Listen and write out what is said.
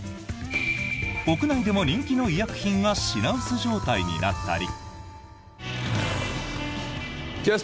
国内でも人気の医薬品が品薄状態になったり。